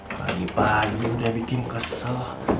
pagi pagi udah bikin kesel